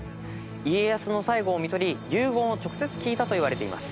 家康の最期をみとり遺言を直接聞いたといわれています。